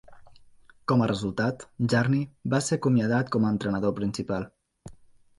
Com a resultat, Jarni va ser acomiadat com a entrenador principal.